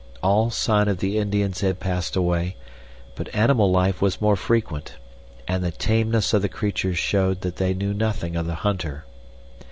All sign of the Indians had passed away, but animal life was more frequent, and the tameness of the creatures showed that they knew nothing of the hunter.